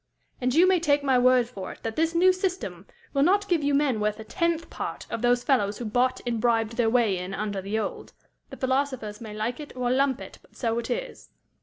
"And you may take my word for it that this new system will not give you men worth a tenth part of those fellows who bought and bribed their way in under the old. The philosophers may like it, or lump it, but so it is."